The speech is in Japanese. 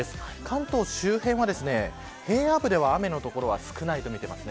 関東周辺は平野部では雨の所は少ないとみています。